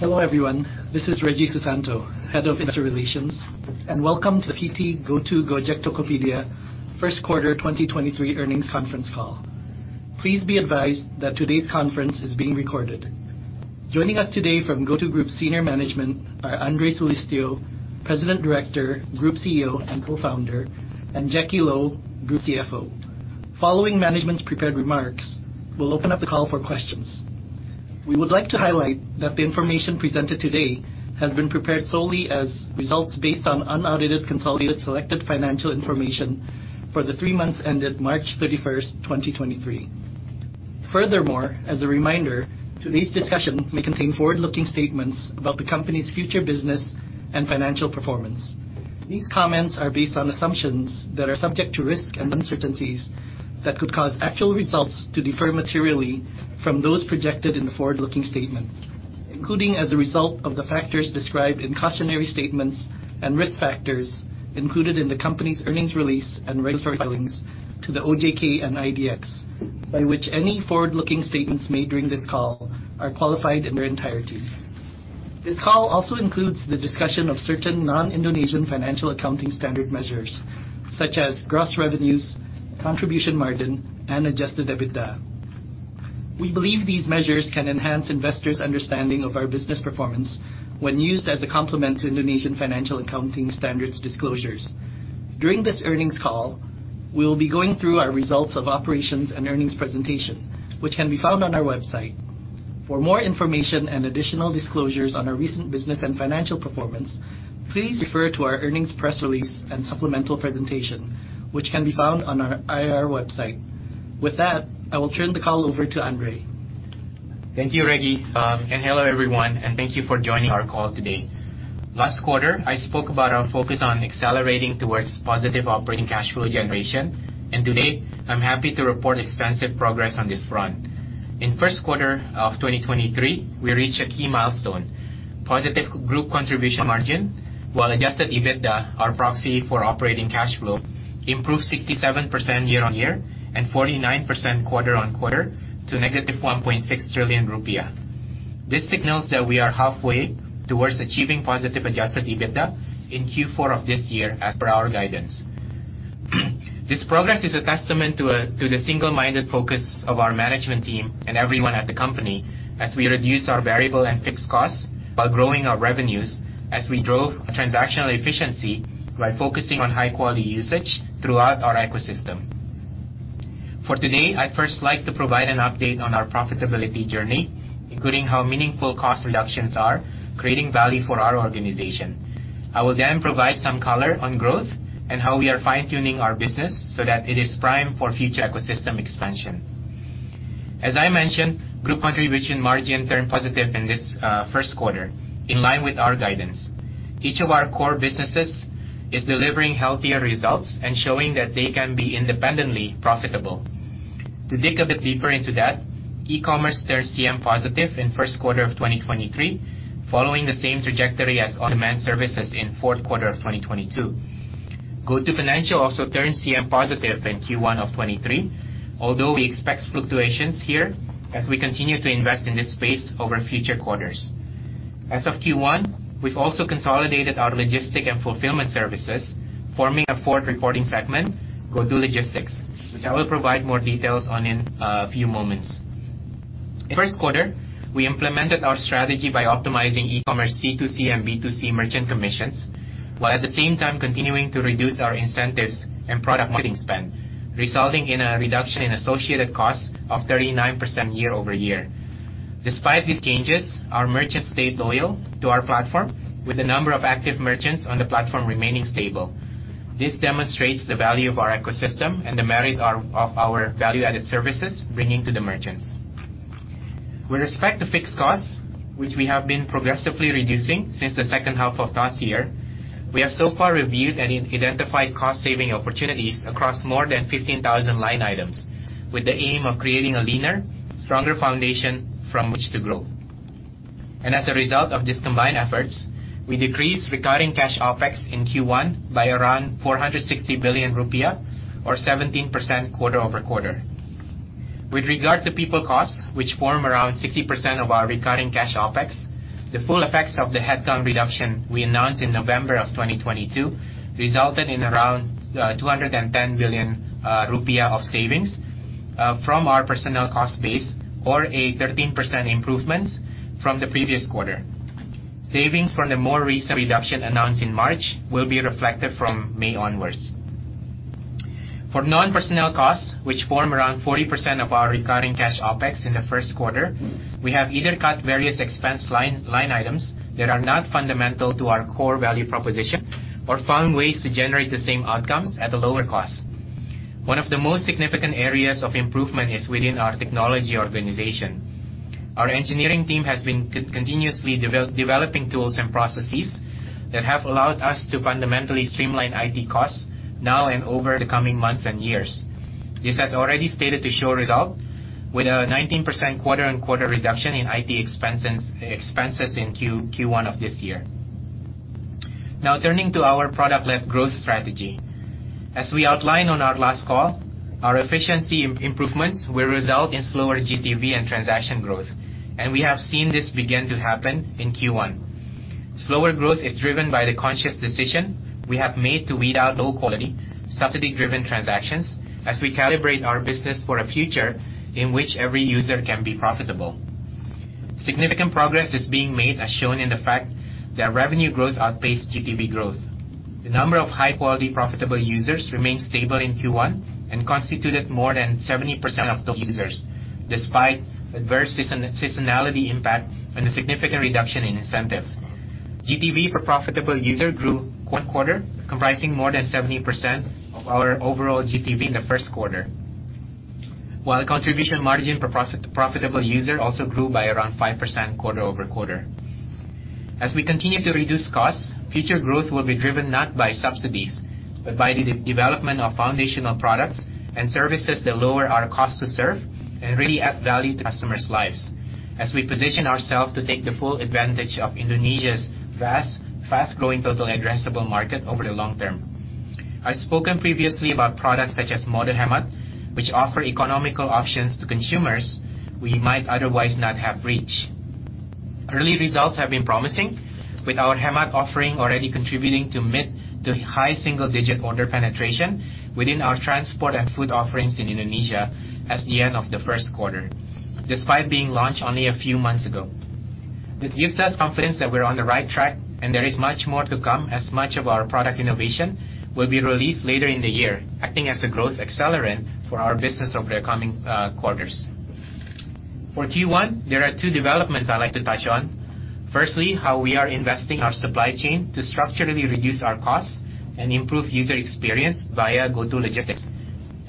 Hello, everyone. This is Reggy Susanto, Head of Investor Relations, and welcome to the PT GoTo Gojek Tokopedia Q1 2023 earnings conference call. Please be advised that today's conference is being recorded. Joining us today from GoTo Group senior management are Andre Soelistyo, President Director, Group CEO, and Co-founder, and Jacky Lo, Group CFO. Following management's prepared remarks, we'll open up the call for questions. We would like to highlight that the information presented today has been prepared solely as results based on unaudited, consolidated, selected financial information for the three months ended March 31st, 2023. Furthermore, as a reminder, today's discussion may contain forward-looking statements about the company's future business and financial performance. These comments are based on assumptions that are subject to risks and uncertainties that could cause actual results to differ materially from those projected in the forward-looking statements, including as a result of the factors described in cautionary statements and risk factors included in the company's earnings release and regulatory filings to the OJK and IDX, by which any forward-looking statements made during this call are qualified in their entirety. This call also includes the discussion of certain non-Indonesian financial accounting standard measures such as gross revenues, contribution margin, and adjusted EBITDA. We believe these measures can enhance investors' understanding of our business performance when used as a complement to Indonesian financial accounting standards disclosures. During this earnings call, we will be going through our results of operations and earnings presentation, which can be found on our website. For more information and additional disclosures on our recent business and financial performance, please refer to our earnings press release and supplemental presentation, which can be found on our IR website. With that, I will turn the call over to Andre. Thank you, Reggy. Hello, everyone, and thank you for joining our call today. Last quarter, I spoke about our focus on accelerating towards positive operating cash flow generation. Today I'm happy to report extensive progress on this front. In Q1 of 2023, we reached a key milestone, positive group contribution margin, while adjusted EBITDA, our proxy for operating cash flow, improved 67% YoY and 49% QoQ to -1.6 trillion rupiah. This signals that we are halfway towards achieving positive adjusted EBITDA in Q4 of this year as per our guidance. This progress is a testament to the single-minded focus of our management team and everyone at the company as we reduce our variable and fixed costs while growing our revenues as we drove a transactional efficiency by focusing on high quality usage throughout our ecosystem. For today, I'd first like to provide an update on our profitability journey, including how meaningful cost reductions are creating value for our organization. I will provide some color on growth and how we are fine-tuning our business so that it is prime for future ecosystem expansion. As I mentioned, group contribution margin turned positive in this Q1, in line with our guidance. Each of our core businesses is delivering healthier results and showing that they can be independently profitable. To dig a bit deeper into that, e-commerce turned CM positive in Q1 of 2023, following the same trajectory as on-demand services in Q4 of 2022. GoTo Financial also turned CM positive in Q1 of 2023, although we expect fluctuations here as we continue to invest in this space over future quarters. As of Q1, we've also consolidated our logistic and fulfillment services, forming a fourth reporting segment, GoTo Logistics, which I will provide more details on in a few moments. In Q1, we implemented our strategy by optimizing e-commerce C2C and B2C merchant commissions, while at the same time continuing to reduce our incentives and product marketing spend, resulting in a reduction in associated costs of 39% YoY. Despite these changes, our merchants stayed loyal to our platform, with the number of active merchants on the platform remaining stable. This demonstrates the value of our ecosystem and the merit of our value-added services bringing to the merchants. With respect to fixed costs, which we have been progressively reducing since the second half of last year, we have so far reviewed and identified cost saving opportunities across more than 15,000 line items with the aim of creating a leaner, stronger foundation from which to grow. As a result of these combined efforts, we decreased recurring cash OpEx in Q1 by around 460 billion rupiah or 17% QoQ. With regard to people costs, which form around 60% of our recurring cash OpEx, the full effects of the headcount reduction we announced in November 2022 resulted in around 210 billion rupiah of savings from our personnel cost base or a 13% improvement from the previous quarter. Savings from the more recent reduction announced in March will be reflected from May onwards. For non-personnel costs, which form around 40% of our recurring cash OpEx in the Q1, we have either cut various expense line items that are not fundamental to our core value proposition or found ways to generate the same outcomes at a lower cost. One of the most significant areas of improvement is within our technology organization. Our engineering team has been continuously developing tools and processes that have allowed us to fundamentally streamline IT costs now and over the coming months and years. This has already started to show result with a 19% QoQ reduction in IT expenses in Q1 of this year. Turning to our product-led growth strategy. As we outlined on our last call, our efficiency improvements will result in slower GTV and transaction growth, and we have seen this begin to happen in Q1. Slower growth is driven by the conscious decision we have made to weed out low-quality, subsidy-driven transactions as we calibrate our business for a future in which every user can be profitable. Significant progress is being made, as shown in the fact that revenue growth outpaced GTV growth. The number of high-quality profitable users remained stable in Q1 and constituted more than 70% of the users, despite adverse seasonality impact and a significant reduction in incentives. GTV per profitable user grew 1/4, comprising more than 70% of our overall GTV in the Q1. Contribution margin per profitable user also grew by around 5% QoQ. As we continue to reduce costs, future growth will be driven not by subsidies, but by the de-development of foundational products and services that lower our cost to serve and really add value to customers' lives as we position ourself to take the full advantage of Indonesia's vast, fast-growing total addressable market over the long term. I've spoken previously about products such as Mode Hemat, which offer economical options to consumers we might otherwise not have reached. Early results have been promising, with our Hemat offering already contributing to mid to high single digit order penetration within our transport and food offerings in Indonesia at the end of the Q1, despite being launched only a few months ago. This gives us confidence that we're on the right track, and there is much more to come as much of our product innovation will be released later in the year, acting as a growth accelerant for our business over the coming quarters. For Q1, there are two developments I'd like to touch on. Firstly, how we are investing our supply chain to structurally reduce our costs and improve user experience via GoTo Logistics.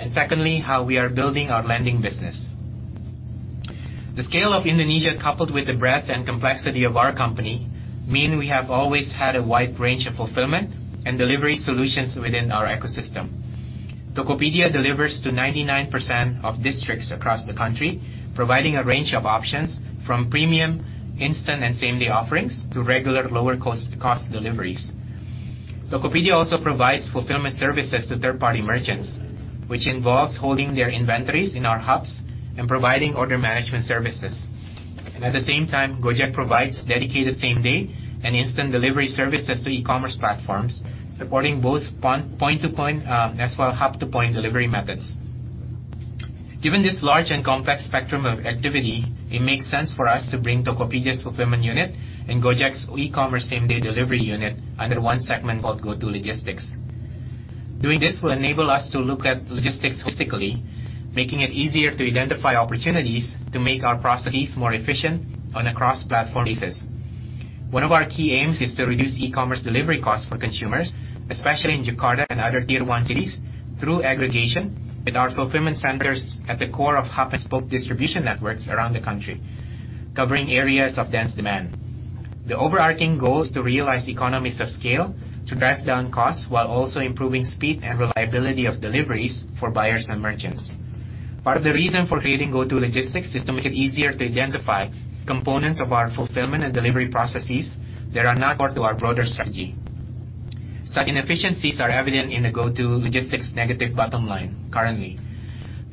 Secondly, how we are building our lending business. The scale of Indonesia, coupled with the breadth and complexity of our company, mean we have always had a wide range of fulfillment and delivery solutions within our ecosystem. Tokopedia delivers to 99% of districts across the country, providing a range of options from premium, instant, and same-day offerings to regular lower cost deliveries. Tokopedia also provides fulfillment services to third-party merchants, which involves holding their inventories in our hubs and providing order management services. At the same time, Gojek provides dedicated same-day and instant delivery services to e-commerce platforms, supporting both point to point, as well hub to point delivery methods. Given this large and complex spectrum of activity, it makes sense for us to bring Tokopedia's fulfillment unit and Gojek's e-commerce same-day delivery unit under one segment called GoTo Logistics. Doing this will enable us to look at logistics holistically, making it easier to identify opportunities to make our processes more efficient on a cross-platform basis. One of our key aims is to reduce e-commerce delivery costs for consumers, especially in Jakarta and other tier one cities, through aggregation with our fulfillment centers at the core of hub and spoke distribution networks around the country, covering areas of dense demand. The overarching goal is to realize economies of scale to drive down costs while also improving speed and reliability of deliveries for buyers and merchants. Part of the reason for creating GoTo Logistics is to make it easier to identify components of our fulfillment and delivery processes that are not core to our broader strategy. Such inefficiencies are evident in the GoTo Logistics negative bottom line currently.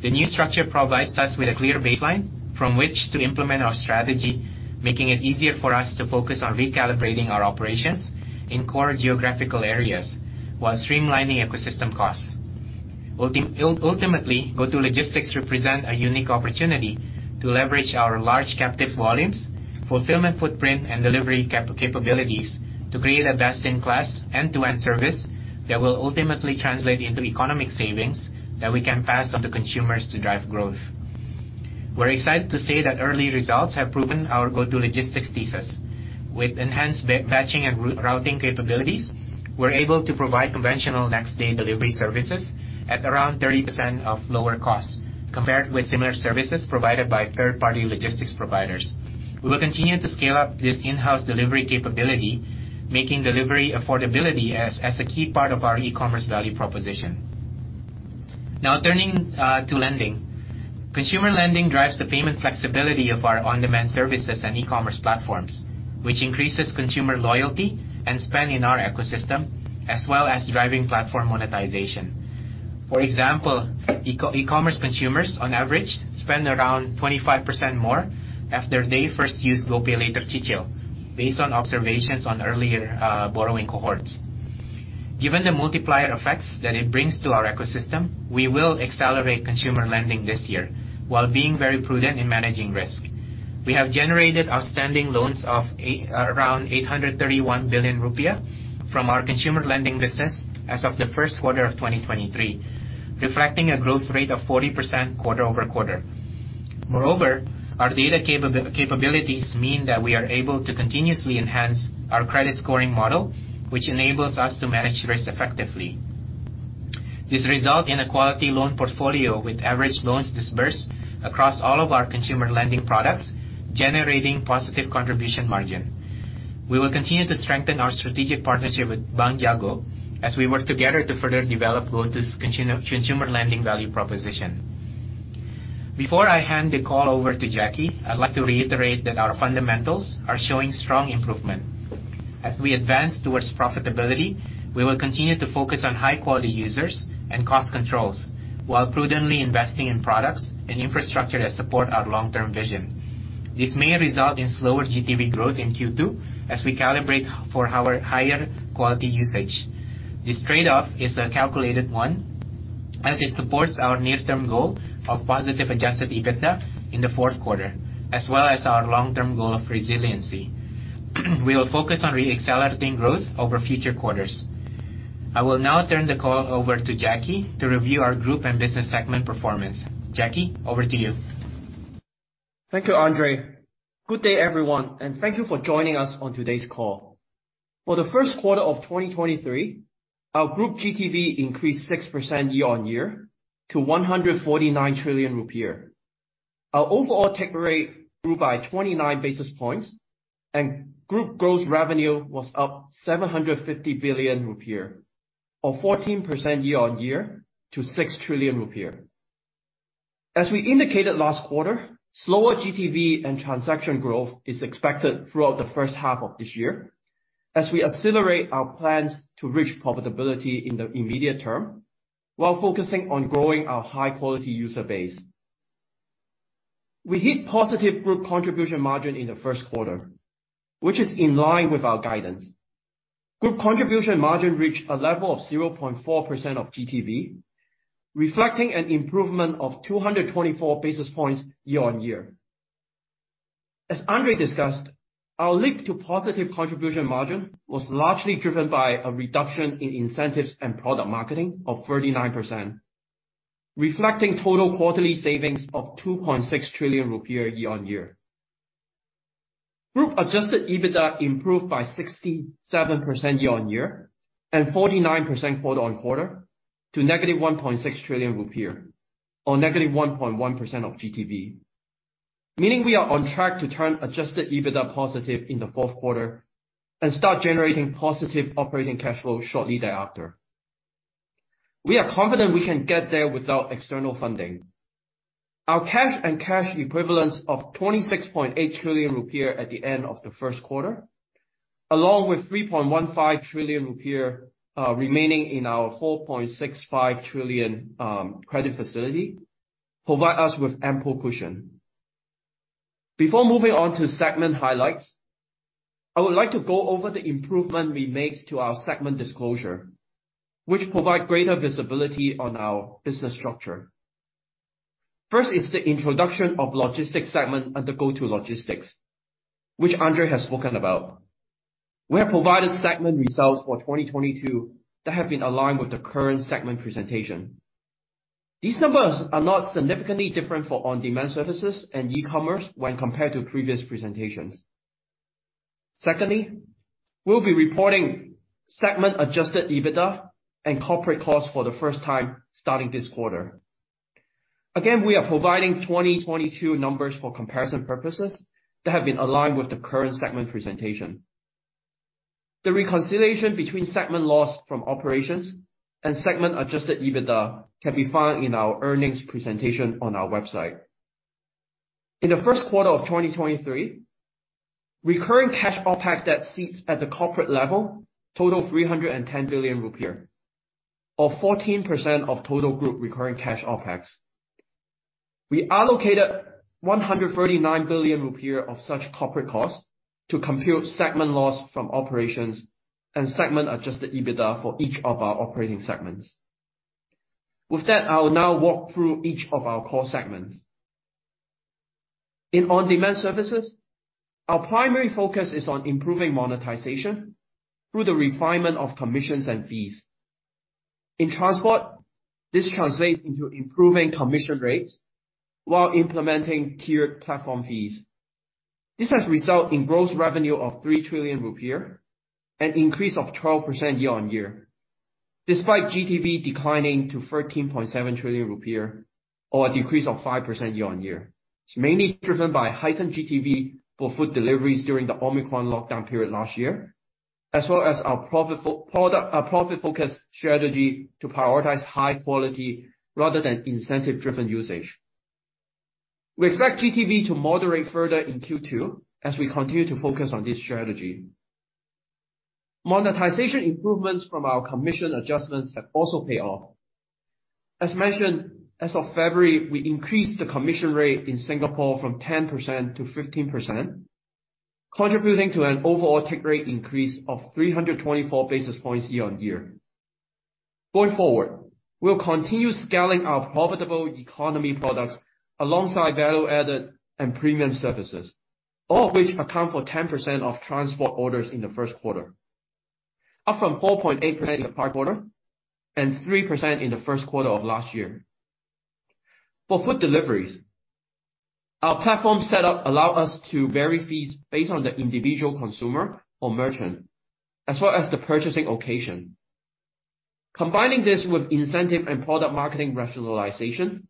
The new structure provides us with a clear baseline from which to implement our strategy, making it easier for us to focus on recalibrating our operations in core geographical areas while streamlining ecosystem costs. Ultimately, GoTo Logistics represent a unique opportunity to leverage our large captive volumes, fulfillment footprint, and delivery capabilities to create a best in class end-to-end service that will ultimately translate into economic savings that we can pass on to consumers to drive growth. We're excited to say that early results have proven our GoTo Logistics thesis. With enhanced batching and routing capabilities, we're able to provide conventional next day delivery services at around 30% of lower cost compared with similar services provided by third-party logistics providers. We will continue to scale up this in-house delivery capability, making delivery affordability as a key part of our e-commerce value proposition. Turning to lending. Consumer lending drives the payment flexibility of our on-demand services and e-commerce platforms, which increases consumer loyalty and spend in our ecosystem, as well as driving platform monetization. For example, e-commerce consumers on average spend around 25% more after they first use GoPay Later Cicil based on observations on earlier borrowing cohorts. Given the multiplier effects that it brings to our ecosystem, we will accelerate consumer lending this year while being very prudent in managing risk. We have generated outstanding loans of around 831 billion rupiah from our consumer lending business as of the Q1 of 2023, reflecting a growth rate of 40% QoQ. Moreover, our data capabilities mean that we are able to continuously enhance our credit scoring model, which enables us to manage risk effectively. This result in a quality loan portfolio with average loans dispersed across all of our consumer lending products, generating positive contribution margin. We will continue to strengthen our strategic partnership with Bank Jago as we work together to further develop GoTo's consumer lending value proposition. Before I hand the call over to Jacky, I'd like to reiterate that our fundamentals are showing strong improvement. As we advance towards profitability, we will continue to focus on high-quality users and cost controls while prudently investing in products and infrastructure that support our long-term vision. This may result in slower GTV growth in Q2 as we calibrate for our higher quality usage. This trade-off is a calculated one as it supports our near-term goal of positive adjusted EBITDA in the Q4, as well as our long-term goal of resiliency. We will focus on re-accelerating growth over future quarters. I will now turn the call over to Jacky to review our group and business segment performance. Jacky, over to you. Thank you, Andre. Good day, everyone, and thank you for joining us on today's call. For the Q1 of 2023, our group GTV increased 6% YoY to 149 trillion rupiah. Our overall take rate grew by 29 basis points and group gross revenue was up 750 billion rupiah, or 14% YoY to 6 trillion rupiah. As we indicated last quarter, slower GTV and transaction growth is expected throughout the first half of this year as we accelerate our plans to reach profitability in the immediate term while focusing on growing our high-quality user base. We hit positive group contribution margin in the Q1, which is in line with our guidance. Group contribution margin reached a level of 0.4% of GTV, reflecting an improvement of 224 basis points YoY. As Andre discussed, our link to positive contribution margin was largely driven by a reduction in incentives and product marketing of 39%, reflecting total quarterly savings of 2.6 trillion rupiah YoY. Group adjusted EBITDA improved by 67% YoY and 49% QoQ to IDR -1.6 trillion, or -1.1% of GTV. Meaning we are on track to turn adjusted EBITDA positive in the Q4 and start generating positive operating cash flow shortly thereafter. We are confident we can get there without external funding. Our cash and cash equivalents of 26.8 trillion rupiah at the end of the Q1, along with 3.15 trillion rupiah remaining in our 4.65 trillion credit facility, provide us with ample cushion. Before moving on to segment highlights, I would like to go over the improvement we made to our segment disclosure, which provide greater visibility on our business structure. First is the introduction of logistics segment under GoTo Logistics, which Andre has spoken about. We have provided segment results for 2022 that have been aligned with the current segment presentation. Secondly, we'll be reporting segment adjusted EBITDA and corporate costs for the first time starting this quarter. We are providing 2022 numbers for comparison purposes that have been aligned with the current segment presentation. The reconciliation between segment loss from operations and segment adjusted EBITDA can be found in our earnings presentation on our website. In the Q1 of 2023, recurring cash OpEx that seats at the corporate level total 310 billion rupiah, or 14% of total group recurring cash OpEx. We allocated 139 billion rupiah of such corporate costs to compute segment loss from operations and segment adjusted EBITDA for each of our operating segments. With that, I will now walk through each of our core segments. In on-demand services, our primary focus is on improving monetization through the refinement of commissions and fees. In transport, this translates into improving commission rates while implementing tiered platform fees. This has resulted in gross revenue of 3 trillion rupiah, an increase of 12% YoY, despite GTV declining to 13.7 trillion rupiah, or a decrease of 5% YoY. It's mainly driven by heightened GTV for food deliveries during the Omicron lockdown period last year, as well as our profit focus strategy to prioritize high quality rather than incentive-driven usage. We expect GTV to moderate further in Q2 as we continue to focus on this strategy. Monetization improvements from our commission adjustments have also paid off. As mentioned, as of February, we increased the commission rate in Singapore from 10%-15%, contributing to an overall take rate increase of 324 basis points YoY. Going forward, we'll continue scaling our profitable economy products alongside value-added and premium services, all of which account for 10% of transport orders in the Q1, up from 4.8% in the prior quarter and 3% in the Q1 of last year. For food deliveries, our platform setup allow us to vary fees based on the individual consumer or merchant, as well as the purchasing occasion. Combining this with incentive and product marketing rationalization,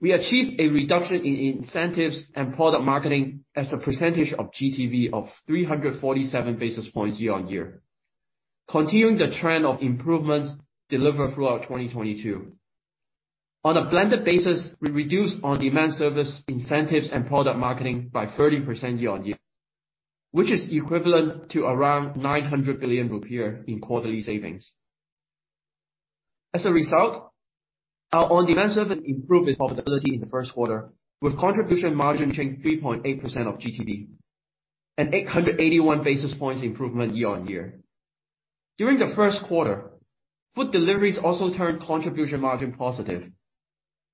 we achieved a reduction in incentives and product marketing as a percentage of GTV of 347 basis points YoY. Continuing the trend of improvements delivered throughout 2022. On a blended basis, we reduced our on-demand service incentives and product marketing by 30% YoY, which is equivalent to around 900 billion rupiah in quarterly savings. As a result, our on-demand service improved its profitability in the Q1, with contribution margin change 3.8% of GTV, an 881 basis points improvement YoY. During the Q1, food deliveries also turned contribution margin positive,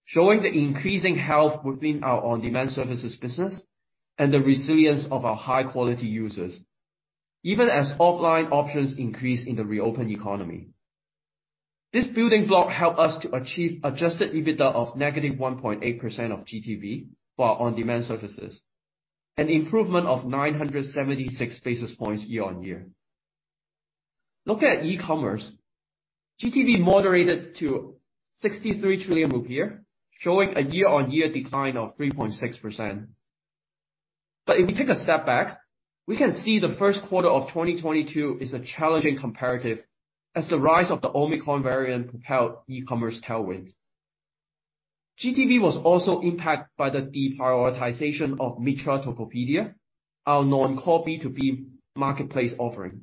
showing the increasing health within our on-demand services business and the resilience of our high-quality users, even as offline options increase in the reopened economy. This building block helped us to achieve adjusted EBITDA of -1.8% of GTV for our on-demand services, an improvement of 976 basis points YoY. Looking at e-commerce, GTV moderated to 63 trillion rupiah, showing a YoY decline of 3.6%. If we take a step back, we can see the Q1 of 2022 is a challenging comparative as the rise of the Omicron variant propelled e-commerce tailwinds. GTV was also impacted by the deprioritization of Mitra Tokopedia, our non-core B2B marketplace offering,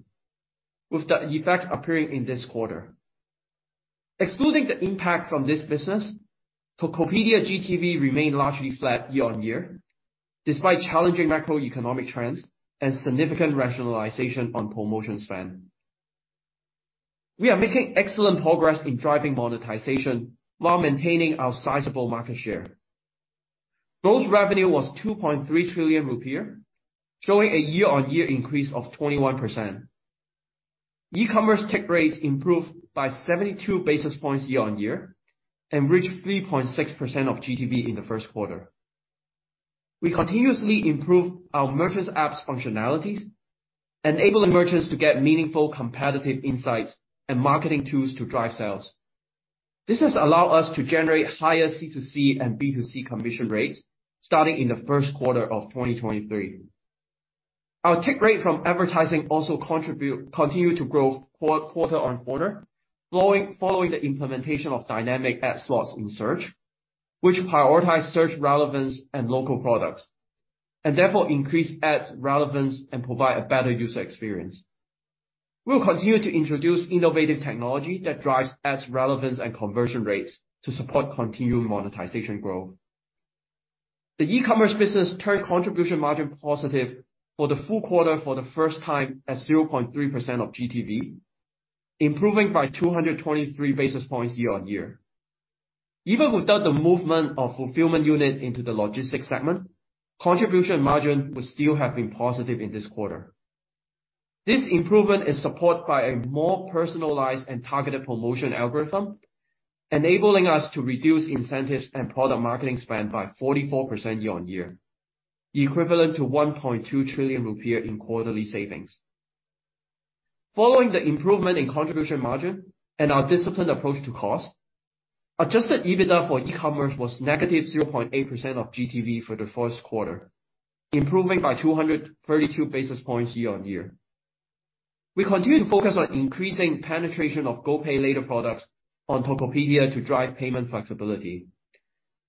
with the effect appearing in this quarter. Excluding the impact from this business, Tokopedia GTV remained largely flat YoY, despite challenging macroeconomic trends and significant rationalization on promotion spend. We are making excellent progress in driving monetization while maintaining our sizable market share. Gross Revenue was 2.3 trillion rupiah, showing a YoY increase of 21%. E-commerce take rates improved by 72 basis points YoY and reached 3.6% of GTV in the Q1. We continuously improve our merchants app's functionalities, enabling merchants to get meaningful competitive insights and marketing tools to drive sales. This has allowed us to generate higher C2C and B2C commission rates starting in the Q1 of 2023. Our take rate from advertising also continue to grow quarter-on-quarter, following the implementation of dynamic ad slots in search, which prioritize search relevance and local products, and therefore increase ads relevance and provide a better user experience. We'll continue to introduce innovative technology that drives ads relevance and conversion rates to support continued monetization growth. The e-commerce business turned contribution margin positive for the full quarter for the first time at 0.3% of GTV, improving by 223 basis points YoY. Even without the movement of fulfillment unit into the logistics segment, contribution margin would still have been positive in this quarter. This improvement is supported by a more personalized and targeted promotion algorithm, enabling us to reduce incentives and product marketing spend by 44% YoY, equivalent to 1.2 trillion rupiah in quarterly savings. Following the improvement in contribution margin and our disciplined approach to cost, adjusted EBITDA for e-commerce was -0.8% of GTV for the Q1, improving by 232 basis points YoY. We continue to focus on increasing penetration of GoPay Later products on Tokopedia to drive payment flexibility.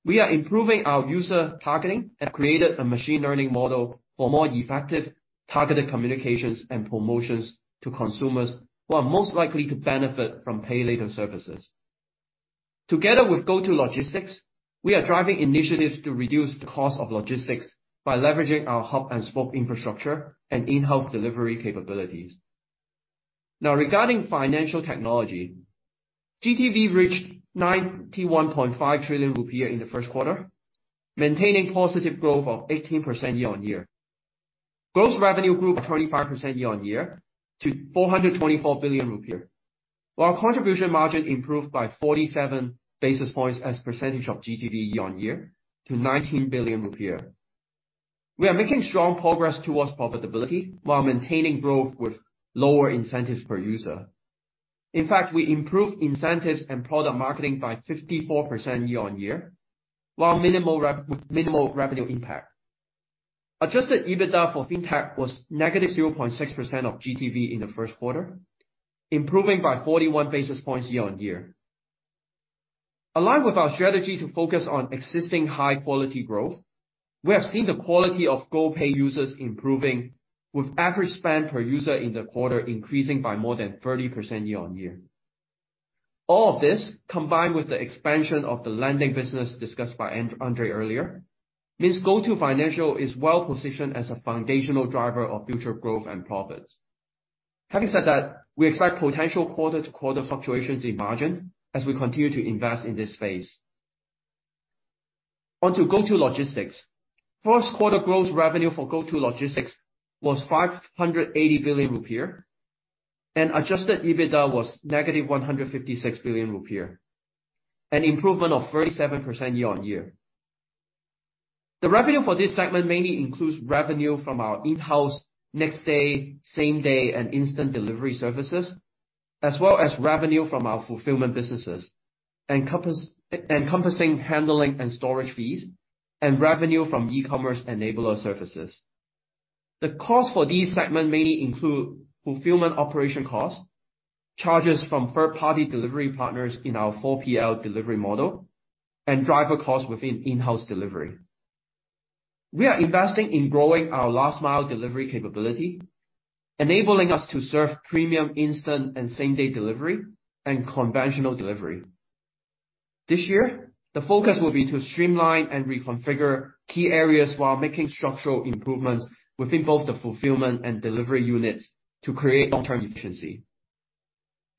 We are improving our user targeting and created a machine learning model for more effective targeted communications and promotions to consumers who are most likely to benefit from Pay Later services. Together with GoTo Logistics, we are driving initiatives to reduce the cost of logistics by leveraging our hub and spoke infrastructure and in-house delivery capabilities. Regarding financial technology, GTV reached 91.5 trillion rupiah in the Q1, maintaining positive growth of 18% YoY. Gross revenue grew 25% YoY to 424 billion rupiah, while contribution margin improved by 47 basis points as percentage of GTV YoY to 19 billion rupiah. We are making strong progress towards profitability while maintaining growth with lower incentives per user. In fact, we improved incentives and product marketing by 54% YoY, with minimal revenue impact. Adjusted EBITDA for Fintech was negative 0.6% of GTV in the Q1, improving by 41 basis points YoY. Along with our strategy to focus on existing high-quality growth, we have seen the quality of GoPay users improving with average spend per user in the quarter increasing by more than 30% YoY. All of this, combined with the expansion of the lending business discussed by Andre earlier, means GoTo Financial is well positioned as a foundational driver of future growth and profits. Having said that, we expect potential quarter-to-quarter fluctuations in margin as we continue to invest in this phase. Onto GoTo Logistics. First quarter gross revenue for GoTo Logistics was 580 billion rupiah, and adjusted EBITDA was -156 billion rupiah, an improvement of 37% YoY. The revenue for this segment mainly includes revenue from our in-house next day, same day and instant delivery services, as well as revenue from our fulfillment businesses. Encompassing handling and storage fees and revenue from e-commerce enabler services. The cost for these segment mainly include fulfillment operation costs, charges from third-party delivery partners in our 4PL delivery model and driver costs within in-house delivery. We are investing in growing our last mile delivery capability, enabling us to serve premium instant and same-day delivery and conventional delivery. This year, the focus will be to streamline and reconfigure key areas while making structural improvements within both the fulfillment and delivery units to create long-term efficiency.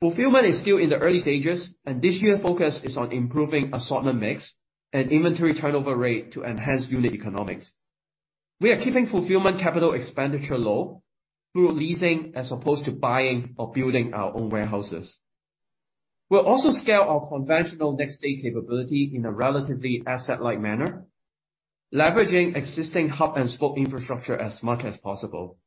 Fulfillment is still in the early stages, this year focus is on improving assortment mix and inventory turnover rate to enhance unit economics. We are keeping fulfillment CapEx low through leasing as opposed to buying or building our own warehouses. We'll also scale our conventional next-day capability in a relatively asset-light manner, leveraging existing hub and spoke infrastructure as much as possible.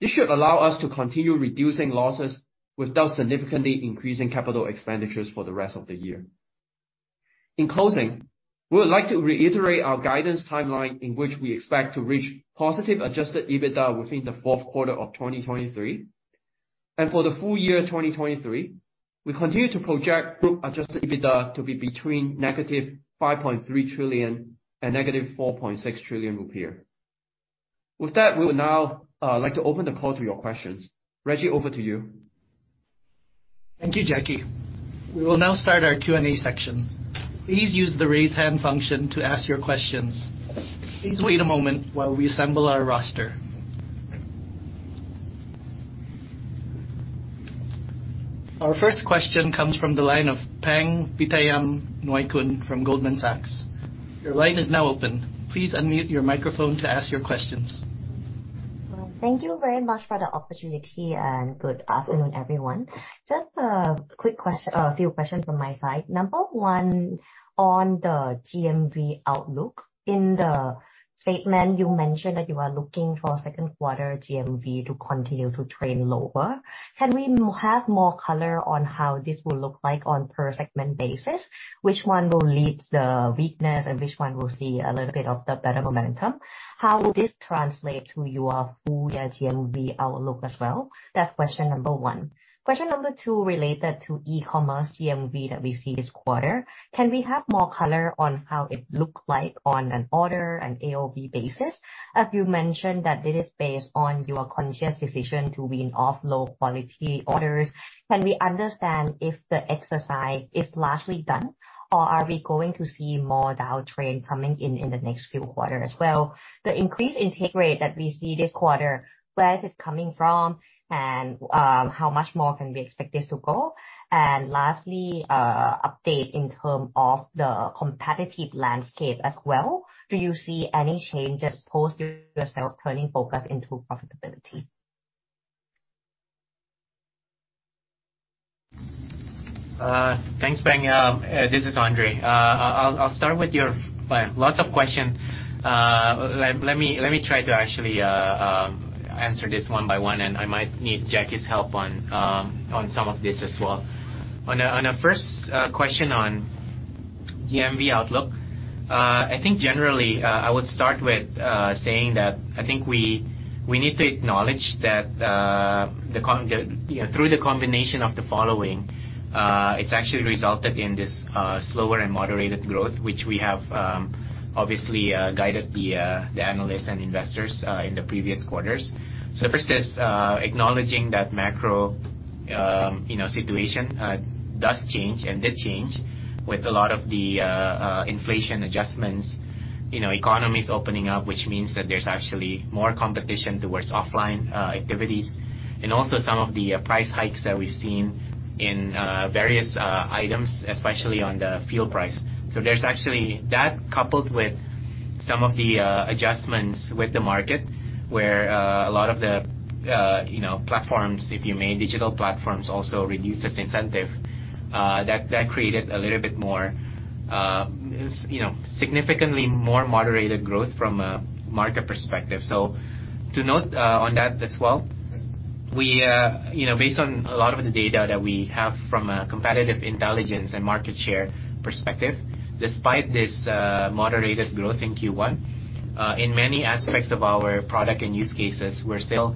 This should allow us to continue reducing losses without significantly increasing capital expenditures for the rest of the year. In closing, we would like to reiterate our guidance timeline in which we expect to reach positive adjusted EBITDA within the Q4 of 2023. For the full year 2023, we continue to project group adjusted EBITDA to be between -5.3 trillion and -4.6 trillion rupiah. With that, we will now like to open the call to your questions. Reggy, over to you. Thank you, Jacky. We will now start our Q&A section. Please use the raise hand function to ask your questions. Please wait a moment while we assemble our roster. Our first question comes from the line of Usjima Pang Vittayaamnuaykoon from Goldman Sachs. Your line is now open. Please unmute your microphone to ask your questions. Well, thank you very much for the opportunity and good afternoon, everyone. Just a few questions from my side. Number one, on the GMV outlook. In the statement, you mentioned that you are looking for second quarter GMV to continue to trend lower. Can we have more color on how this will look like on per segment basis? Which one will lead the weakness and which one will see a little bit of the better momentum? How will this translate to your full year GMV outlook as well? That's question number one. Question number two related to e-commerce GMV that we see this quarter. Can we have more color on how it looks like on an order and AOV basis? As you mentioned that this is based on your conscious decision to wean off low quality orders, can we understand if the exercise is largely done, or are we going to see more downtrend coming in the next few quarters as well? The increase in take rate that we see this quarter, where is it coming from and, how much more can we expect this to go? Lastly, update in term of the competitive landscape as well. Do you see any changes post yourself turning focus into profitability? Thanks, Pang. This is Andre. I'll start with your lots of questions. Let me try to actually answer this one by one, and I might need Jacky's help on some of this as well. On a first question on GMV outlook, I think generally, I would start with saying that I think we need to acknowledge that, you know, through the combination of the following, it's actually resulted in this slower and moderated growth, which we have obviously guided the analysts and investors in the previous quarters. First is acknowledging that macro, you know, situation does change and did change with a lot of the inflation adjustments, you know, economies opening up, which means that there's actually more competition towards offline activities. Also some of the price hikes that we've seen in various items, especially on the fuel price. There's actually that, coupled with some of the adjustments with the market, where a lot of the, you know, platforms, if you may, digital platforms also reduced its incentive, that created a little bit more, you know, significantly more moderated growth from a market perspective. To note, on that as well, we, you know, based on a lot of the data that we have from a competitive intelligence and market share perspective, despite this, moderated growth in Q1, in many aspects of our product and use cases, we're still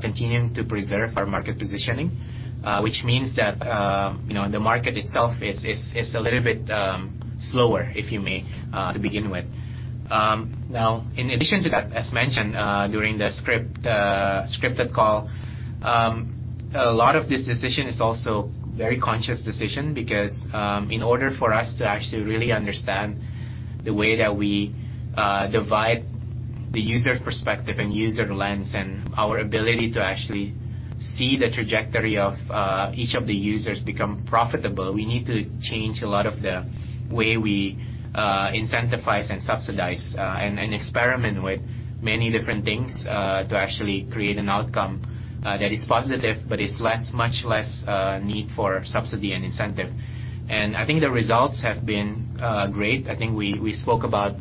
continuing to preserve our market positioning. Which means that, you know, the market itself is a little bit slower, if you may, to begin with. Now in addition to that, as mentioned, during the script, scripted call, a lot of this decision is also very conscious decision because in order for us to actually really understand the way that we divide the user perspective and user lens and our ability to actually see the trajectory of each of the users become profitable, we need to change a lot of the way we incentivize and subsidize, and experiment with many different things to actually create an outcome that is positive but is less, much less, need for subsidy and incentive. I think the results have been great. I think we spoke about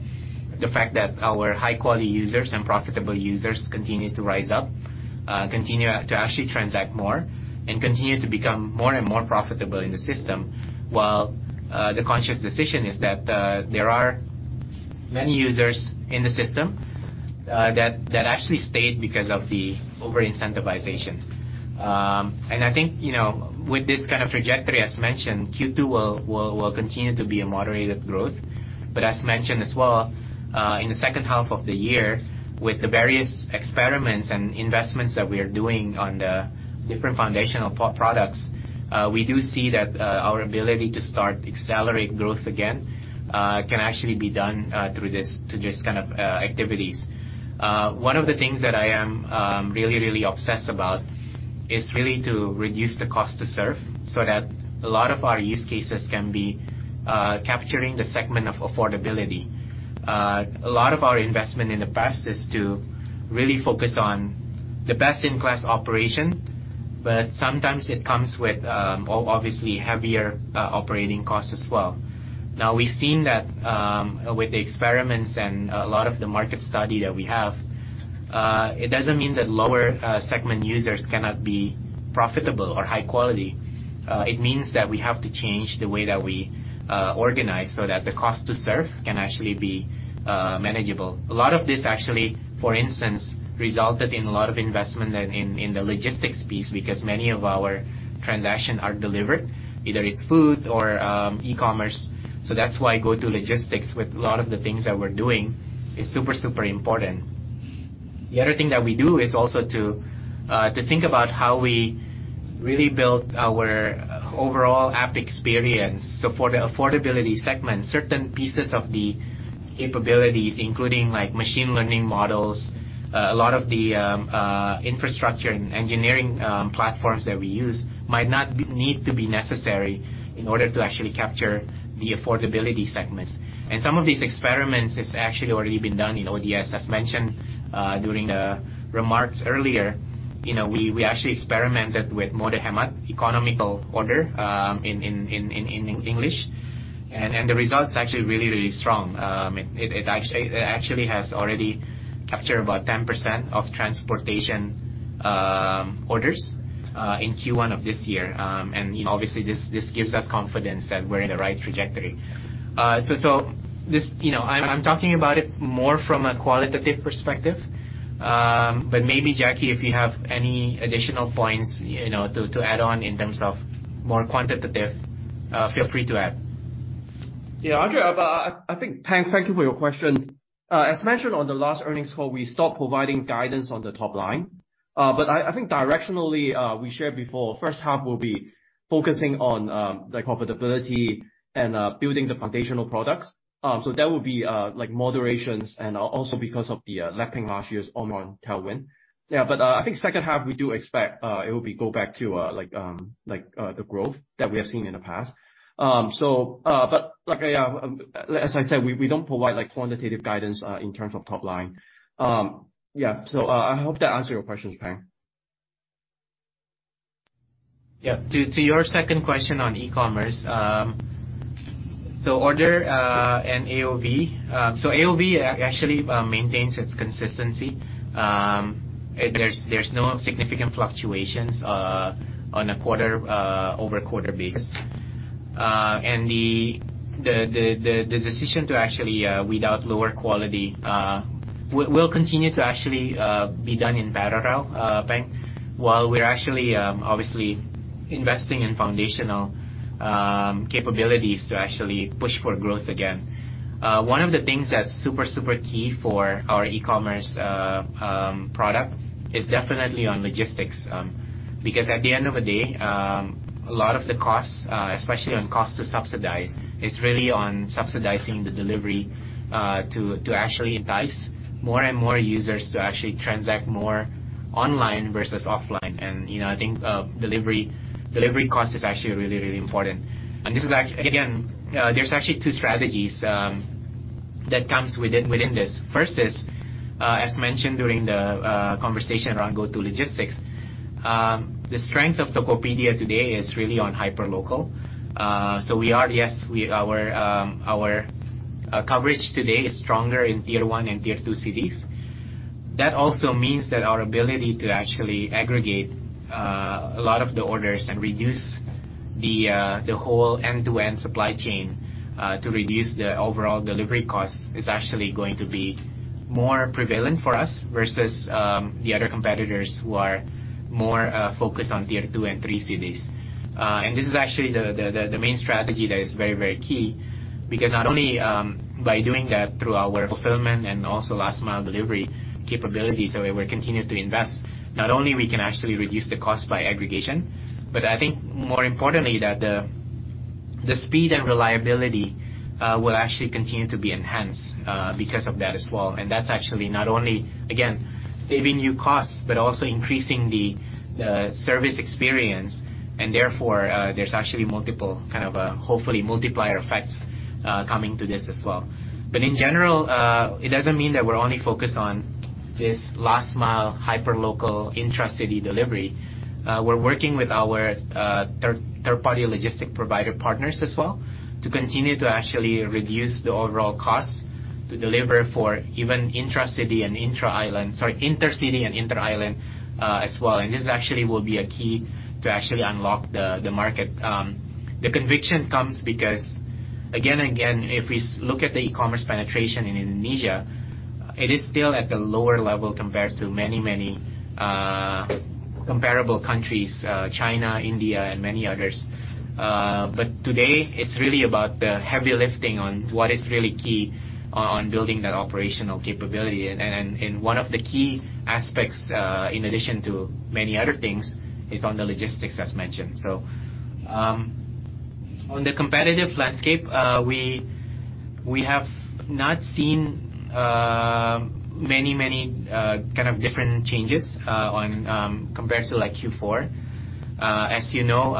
the fact that our high quality users and profitable users continue to rise up, continue to actually transact more and continue to become more and more profitable in the system. While the conscious decision is that there are many users in the system that actually stayed because of the over incentivization. I think, you know, with this kind of trajectory, as mentioned, Q2 will continue to be a moderated growth. As mentioned as well, in the second half of the year, with the various experiments and investments that we are doing on the different foundational products, we do see that our ability to start accelerating growth again, can actually be done through this kind of activities. One of the things that I am really, really obsessed about is really to reduce the cost to serve so that a lot of our use cases can be capturing the segment of affordability. A lot of our investment in the past is to really focus on the best-in-class operation, sometimes it comes with obviously heavier operating costs as well. Now, we've seen that with the experiments and a lot of the market study that we have, it doesn't mean that lower segment users cannot be profitable or high quality. It means that we have to change the way that we organize so that the cost to serve can actually be manageable. A lot of this actually, for instance, resulted in a lot of investment in the logistics piece because many of our transactions are delivered, either it's food or e-commerce. That's why GoTo Logistics with a lot of the things that we're doing is super important. The other thing that we do is also to think about how we really build our overall app experience. For the affordability segment, certain pieces of the capabilities, including like machine learning models, a lot of the infrastructure and engineering platforms that we use might not be need to be necessary in order to actually capture the affordability segments. Some of these experiments has actually already been done in ODS, as mentioned during the remarks earlier. You know, we actually experimented with Mode Hemat economical order, in English. The results are actually really, really strong. It actually has already captured about 10% of transportation orders in Q1 of this year. Obviously, this gives us confidence that we're in the right trajectory. So this... You know, I'm talking about it more from a qualitative perspective. Maybe Jacky, if you have any additional points, you know, to add on in terms of more quantitative, feel free to add. Andre, I think, Pang, thank you for your question. As mentioned on the last earnings call, we stopped providing guidance on the top line. I think directionally, we shared before, first half will be focusing on the profitability and building the foundational products. There will be like moderations and also because of the lapping last year's Omicron tailwind. I think second half we do expect it will be go back to like the growth that we have seen in the past. As I said, we don't provide like quantitative guidance in terms of top line. I hope that answered your question, Pang. Yeah. To your second question on e-commerce. Order and AOV, AOV actually maintains its consistency. There's no significant fluctuations on a quarter-over-quarter basis. The decision to actually weed out lower quality will continue to actually be done in Pararel, Pang, while we're actually obviously investing in foundational capabilities to actually push for growth again. One of the things that's super key for our e-commerce product is definitely on logistics. At the end of the day, a lot of the costs, especially on cost to subsidize, is really on subsidizing the delivery to actually entice more users to actually transact more online versus offline. You know, I think delivery cost is actually really, really important. This is Again, there's actually two strategies that comes within this. First is, as mentioned during the conversation around GoTo Logistics, the strength of Tokopedia today is really on hyperlocal. We are, yes, our coverage today is stronger in tier one and tier two cities. That also means that our ability to actually aggregate a lot of the orders and reduce the whole end-to-end supply chain to reduce the overall delivery costs is actually going to be more prevalent for us versus the other competitors who are more focused on tier two and three cities. This is actually the main strategy that is very, very key. Not only by doing that through our fulfillment and also last mile delivery capabilities that we're continuing to invest, not only we can actually reduce the cost by aggregation, but I think more importantly that the speed and reliability will actually continue to be enhanced because of that as well. That's actually not only, again, saving you costs, but also increasing the service experience. Therefore, there's actually multiple kind of hopefully multiplier effects coming to this as well. In general, it doesn't mean that we're only focused on this last mile, hyperlocal, intracity delivery, we're working with our third-party logistic provider partners as well to continue to actually reduce the overall costs to deliver for even intracity and intra-island. Sorry, intercity and interisland as well. This actually will be a key to actually unlock the market. The conviction comes because, again and again, if we look at the e-commerce penetration in Indonesia, it is still at the lower level compared to many comparable countries, China, India, and many others. Today it's really about the heavy lifting on what is really key on building that operational capability. One of the key aspects, in addition to many other things, is on the logistics, as mentioned. On the competitive landscape, we have not seen many kind of different changes on. Compared to, like, Q4. As you know,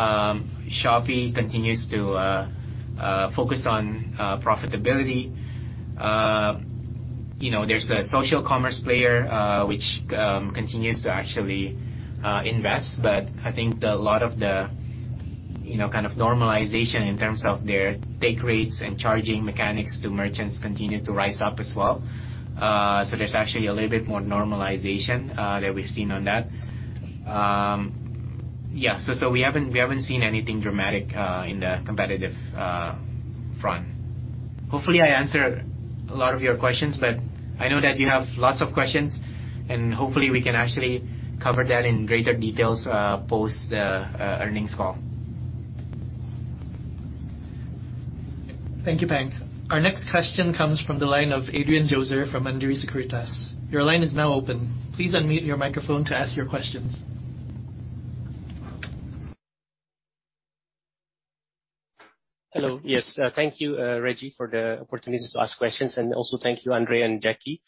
Shopee continues to focus on profitability. You know, there's a social commerce player, which continues to actually invest. I think that a lot of the, you know, kind of normalization in terms of their take rates and charging mechanics to merchants continues to rise up as well. There's actually a little bit more normalization that we've seen on that. Yeah, we haven't, we haven't seen anything dramatic in the competitive front. Hopefully, I answered a lot of your questions, but I know that you have lots of questions, and hopefully we can actually cover that in greater details, post earnings call. Thank you, Pang. Our next question comes from the line of Adrian Joezer from Mandiri Sekuritas. Your line is now open. Please unmute your microphone to ask your questions. Hello. Yes. Thank you, Reggy Susanto, for the opportunity to ask questions. Also thank you Andre Soelistyo and Jacky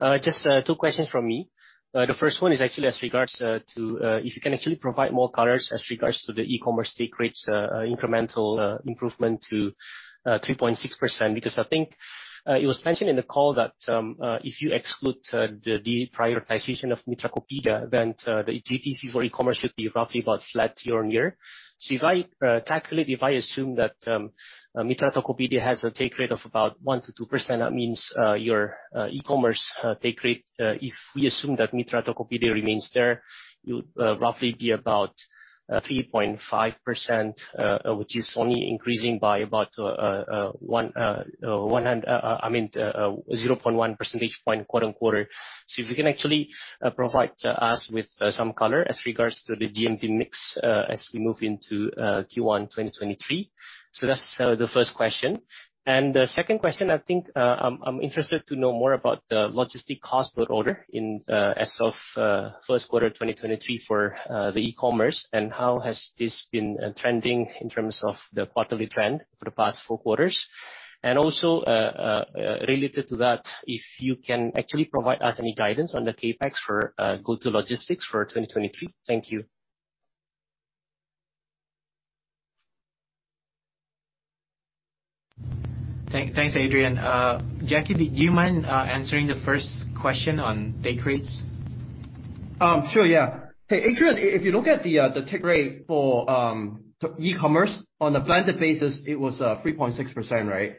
Lo. Just two questions from me. The first one is actually as regards to, if you can actually provide more colors as regards to the e-commerce take rates, incremental improvement to 3.6%. I think it was mentioned in the call that if you exclude the deprioritization of Mitra Tokopedia, then the GTV for e-commerce should be roughly about flat YoY. If I calculate, if I assume that Mitra Tokopedia has a take rate of about 1%-2%, that means your e-commerce take rate, if we assume that Mitra Tokopedia remains there, you'd roughly be about 3.5%, which is only increasing by about, I mean, 0.1 percentage point quarter-on-quarter. If you can actually provide us with some color as regards to the GMV mix as we move into Q1 2023. That's the first question. The second question, I think, I'm interested to know more about the logistic cost per order as of Q1 2023 for the e-commerce, and how has this been trending in terms of the quarterly trend for the past four quarters. Also, related to that, if you can actually provide us any guidance on the CapEx for GoTo Logistics for 2023. Thank you. Thank, thanks, Adrian. Jacky, do you mind answering the first question on take rates? Sure, yeah. Hey, Adrian, if you look at the take rate for e-commerce on a blended basis, it was 3.6%, right?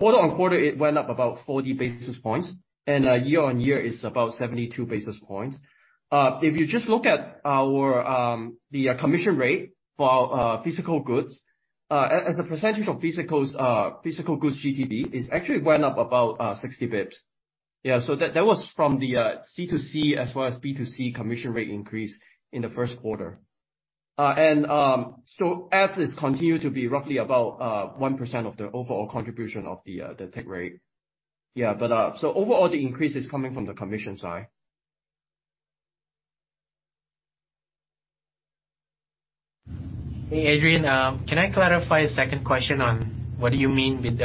Quarter-on-quarter it went up about 40 basis points, and YoY it's about 72 basis points. If you just look at our the commission rate for physical goods, as a percentage of physical goods GTD, it actually went up about 60 bips. Yeah, that was from the C2C as well as B2C commission rate increase in the Q1. Ad sets continue to be roughly about 1% of the overall contribution of the take rate. Yeah, but overall, the increase is coming from the commission side. Hey, Adrian, can I clarify a second question on what do you mean with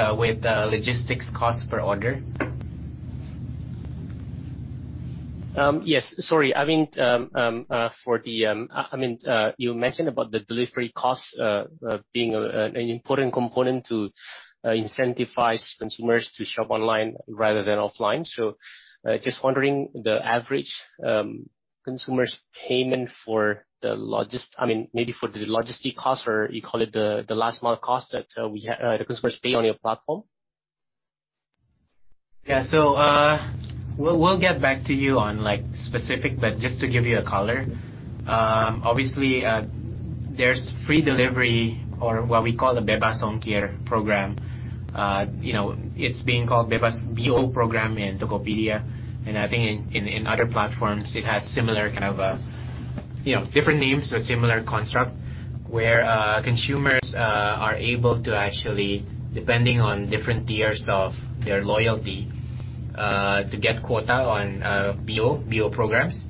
logistics cost per order? Yes. Sorry. I meant, you mentioned about the delivery costs, being an important component to incentivize consumers to shop online rather than offline. Just wondering the average consumers' payment. I mean, maybe for the logistic cost or you call it the last mile cost that we have the customers pay on your platform? Yeah. We'll get back to you on, like, specific, but just to give you a color. Obviously, there's free delivery or what we call the Bebas Ongkir program. You know, it's being called Bebas BO program in Tokopedia, and I think in other platforms it has similar kind of, you know, different names but similar construct, where consumers are able to actually, depending on different tiers of their loyalty, to get quota on BO programs.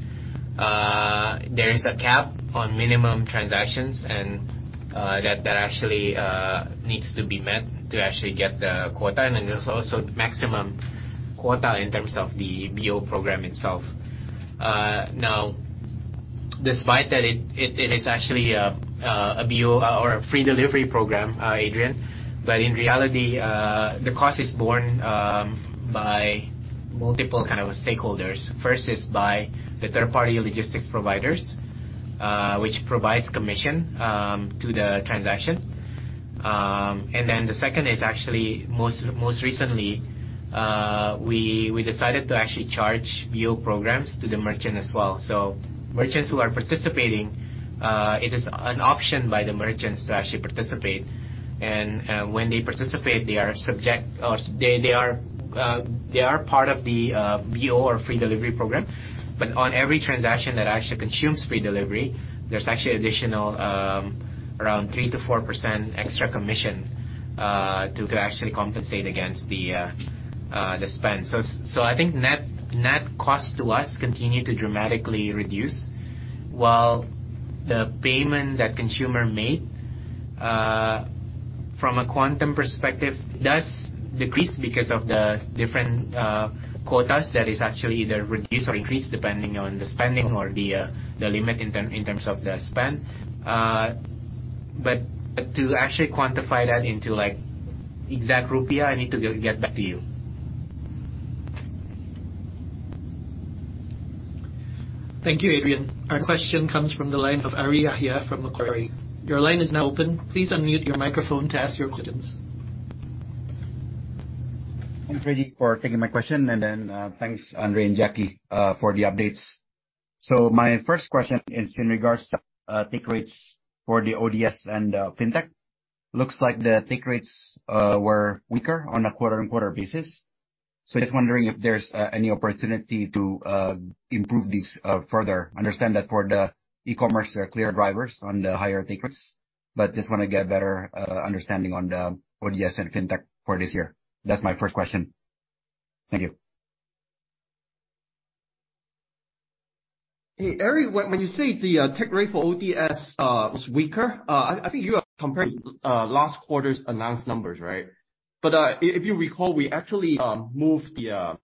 There is a cap on minimum transactions and that actually needs to be met to actually get the quota. Then there's also maximum quota in terms of the BO program itself. Despite that it is actually a VO or a free delivery program, Adrian. In reality, the cost is borne by multiple kind of stakeholders. First is by the third party logistics providers, which provides commission to the transaction. Then the second is actually most recently, we decided to actually charge VO programs to the merchant as well. Merchants who are participating, it is an option by the merchants to actually participate. When they participate, they are subject or they are part of the VO or free delivery program. On every transaction that actually consumes free delivery, there's actually additional, around 3%-4% extra commission, to actually compensate against the spend. I think net cost to us continue to dramatically reduce while the payment that consumer made from a quantum perspective does decrease because of the different quotas that is actually either reduced or increased depending on the spending or the limit in terms of the spend. To actually quantify that into like exact Rupiah, I need to get back to you. Thank you, Adrian. Our question comes from the line of Ari Jahja from Macquarie. Your line is now open. Please unmute your microphone to ask your questions. Thanks, Reggy, for taking my question. Thanks, Andre and Jacky, for the updates. My first question is in regards to take rates for the ODS and Fintech. Looks like the take rates were weaker on a quarter-on-quarter basis. Just wondering if there's any opportunity to improve these further. Understand that for the e-commerce there are clear drivers on the higher take rates, but just wanna get better understanding on the ODS and Fintech for this year. That's my first question. Thank you. Hey, Ari, when you say the take rate for ODS was weaker, I think you are comparing last quarter's announced numbers, right? If you recall, we actually moved the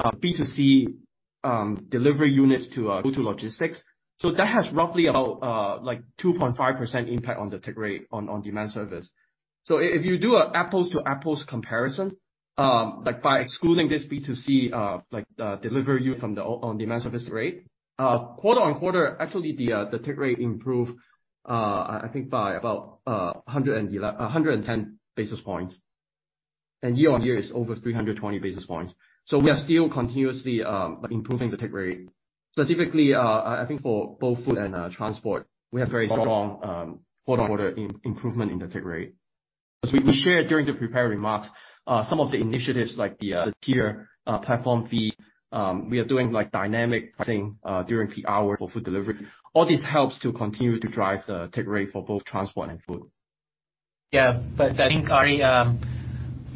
B2C delivery units to GoTo Logistics. That has roughly about like 2.5% impact on the take rate on-demand service. If you do an apples-to-apples comparison, like by excluding this B2C like delivery unit from the on-demand service rate, quarter-on-quarter, actually the take rate improved, I think by about 110 basis points. YoY is over 320 basis points. We are still continuously improving the take rate. Specifically, I think for both food and transport, we have very strong quarter-on-quarter improvement in the take rate. As we shared during the prepared remarks, some of the initiatives like the tier platform fee, we are doing like dynamic pricing during peak hours for food delivery. All this helps to continue to drive the take rate for both transport and food. I think, Ari,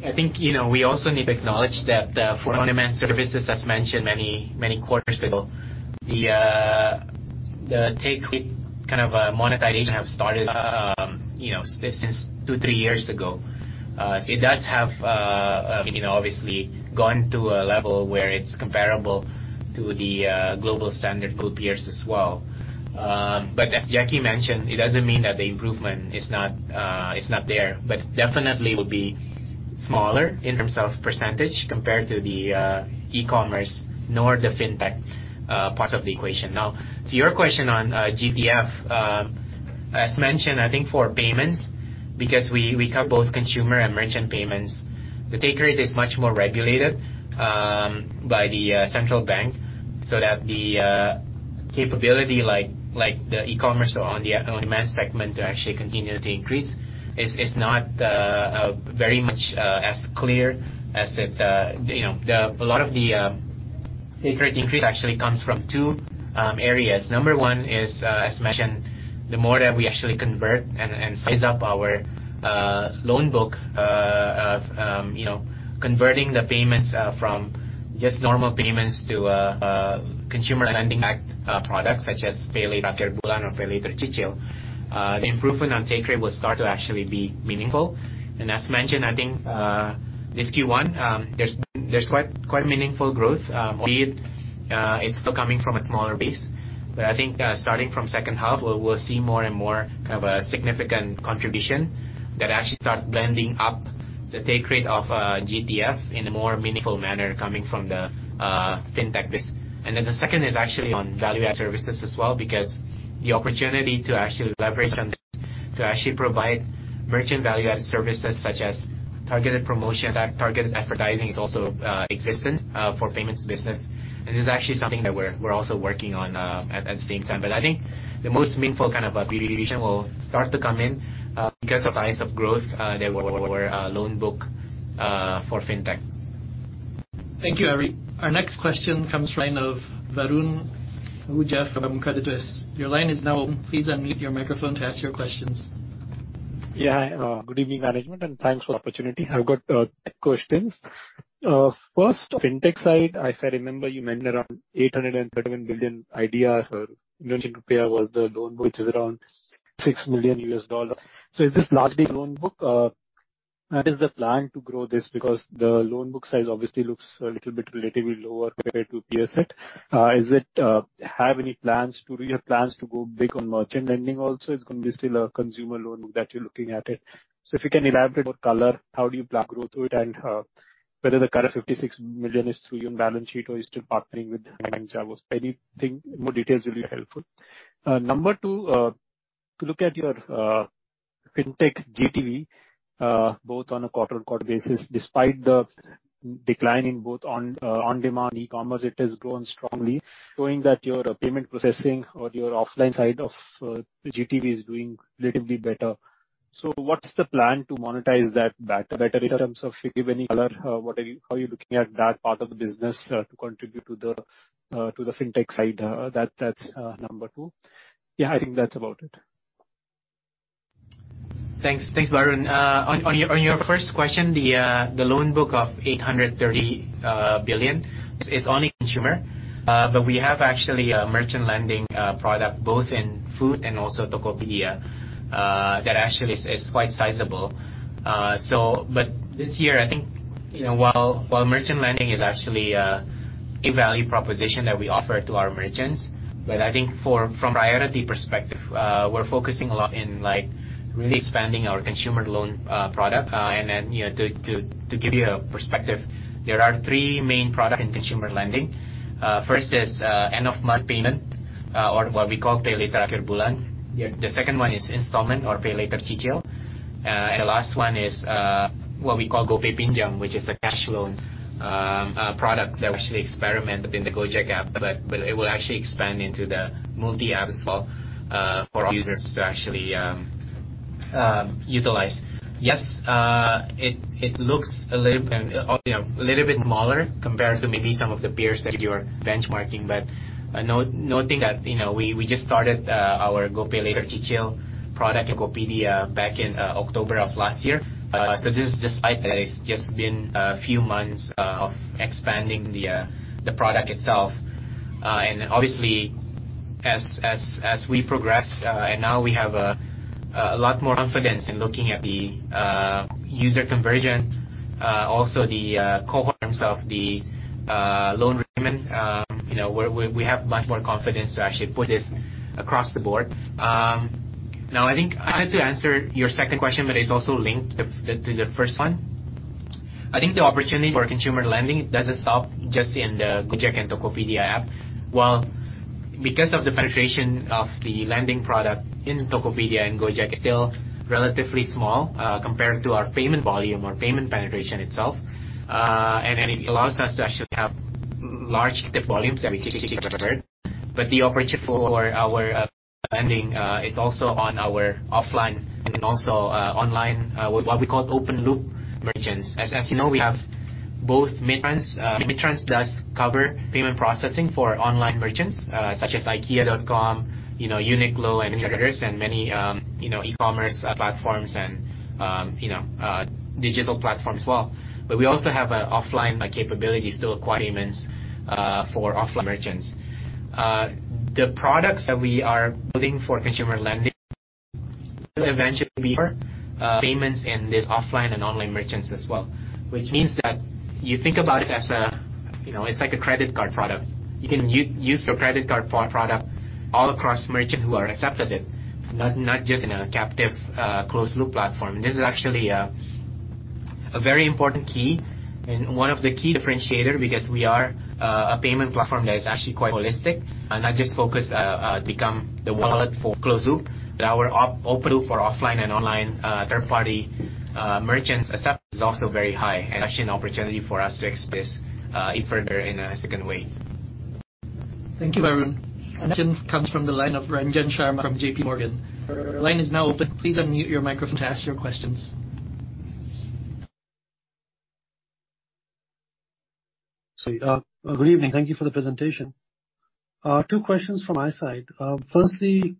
I think, you know, we also need to acknowledge that for on-demand services, as mentioned many, many quarters ago, the take rate kind of monetization have started, you know, since two, three years ago. It does have, you know, obviously gone to a level where it's comparable to the global standard group peers as well. As Jacky mentioned, it doesn't mean that the improvement is not, is not there, but definitely will be smaller in terms of pecentage compared to the e-commerce nor the Fintech part of the equation. Now to your question on GPF, as mentioned, I think for payments, because we cover both consumer and merchant payments, the take rate is much more regulated by the central bank, so that the capability like the e-commerce on the on-demand segment to actually continue to increase is not very much as clear as it, you know. A lot of the take rate increase actually comes from two areas. Number one is, as mentioned, the more that we actually convert and size up our loan book, of, you know, converting the payments from just normal payments to Consumer Lending Act products such as PayLater Akhir Bulan or PayLater Cicil, the improvement on take rate will start to actually be meaningful. As mentioned, I think this Q1, there's quite meaningful growth, albeit it's still coming from a smaller base. I think, starting from second half, we'll see more and more kind of a significant contribution that actually start blending up the take rate of GPF in a more meaningful manner coming from the Fintech base. The second is actually on value-added services as well because the opportunity to actually leverage on this to actually provide merchant value-added services such as targeted promotion, targeted advertising is also existent for payments business. This is actually something that we're also working on at the same time. I think the most meaningful kind of a deviation will start to come in, because of the size of growth, that were loan book, for Fintech. Thank you, Ari. Our next question comes from the line of Varun Ahuja from Credit Suisse. Your line is now open. Please unmute your microphone to ask your questions. Yeah. Good evening, management, and thanks for the opportunity. I've got two questions. First on Fintech side, if I remember, you mentioned around 831 billion IDR or Indonesian Rupiah was the loan, which is around $6 million. Is this largely loan book? What is the plan to grow this? Because the loan book size obviously looks a little bit relatively lower compared to peer set. Do you have plans to go big on merchant lending also? It's gonna be still a consumer loan that you're looking at it. If you can elaborate what color, how do you plan grow to it, and whether the current 56 million is through your own balance sheet or you're still partnering with anything, more details will be helpful. Number two, to look at your fintech GTV, both on a quarter-on-quarter basis, despite the decline in both on-demand e-commerce, it has grown strongly, showing that your payment processing or your offline side of GTV is doing relatively better. What's the plan to monetize that better in terms of giving color? How are you looking at that part of the business to contribute to the fintech side? That's number two. Yeah, I think that's about it. Thanks. Thanks, Varun, on your first question, the loan book of 830 billion is only consumer. We have actually a merchant lending product both in food and also Tokopedia, that actually is quite sizable. This year, I think, you know, while merchant lending is actually a key value proposition that we offer to our merchants, but I think for, from priority perspective, we're focusing a lot in, like, really expanding our consumer loan product. Then, you know, to give you a perspective, there are three main products in consumer lending. First is end of month payment, or what we call Pay Later. The second one is installment or Pay Later retail. The last one is what we call GoPay Pinjam, which is a cash loan product that we actually experiment within the Gojek app, but it will actually expand into the multi-apps as well for our users to actually utilize. Yes, it looks a little, you know, a little bit smaller compared to maybe some of the peers that you are benchmarking. Nothing that, you know, we just started our GoPay Later retail product in Tokopedia back in October of last year. This is despite that it's just been a few months of expanding the product itself. Obviously as we progress, and now we have a lot more confidence in looking at the user conversion, also the cohorts of the loan repayment, you know, we have much more confidence to actually put this across the board. Now I think I'd like to answer your second question, but it's also linked to the first one. I think the opportunity for consumer lending doesn't stop just in the Gojek and Tokopedia app. While because of the penetration of the lending product in Tokopedia and Gojek is still relatively small, compared to our payment volume or payment penetration itself, and it allows us to actually have large gift volumes. The opportunity for our lending is also on our offline and also online, what we call open loop merchants. As you know, we have both Midtrans. Midtrans does cover payment processing for online merchants, such as IKEA.com, you know, UNIQLO and many others and many, you know, e-commerce platforms and, you know, digital platforms as well. We also have an offline capability to acquire payments for offline merchants. The products that we are building for consumer lending will eventually be for payments in this offline and online merchants as well. Which means that you think about it as a, you know, it's like a credit card product. You can use your credit card product all across merchants who are accepted it, not just in a captive, closed loop platform. This is actually a very important key and one of the key differentiator because we are a payment platform that is actually quite holistic and not just focused to become the wallet for closed loop. Our open loop for offline and online, third party, merchants accept is also very high and actually an opportunity for us to expand this even further in a second way. Thank you, Varun. Next question comes from the line of Ranjan Sharma from JP Morgan. Your line is now open. Please unmute your microphone to ask your questions. Good evening. Thank you for the presentation. Two questions from my side. Firstly,